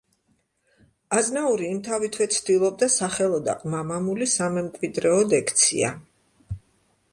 აზნაური იმთავითვე ცდილობდა სახელო და ყმა-მამული სამემკვიდრეოდ ექცია.